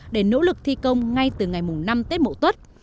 để nỗ lực thi công ngay từ ngày năm tết mộ tốt